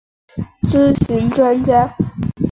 咨询专家